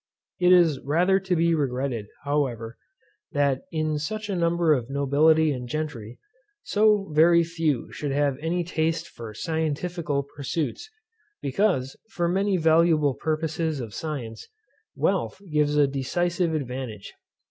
It is rather to be regretted, however, that, in such a number of nobility and gentry, so very few should have any taste for scientifical pursuits, because, for many valuable purposes of science, wealth gives a decisive advantage.